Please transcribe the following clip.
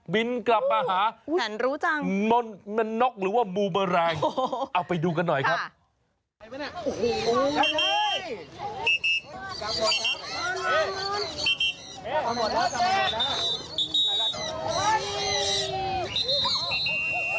บินกลับมาหานกหรือว่าหมูเบอร์แรงเอาไปดูกันหน่อยครับโอ้โหแสนรู้จัง